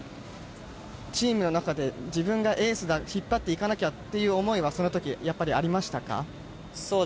チームの中で自分がエースだ引っ張っていかなきゃという思いはその時、やっぱりありましたか？